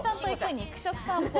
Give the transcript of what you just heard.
肉食さんぽ。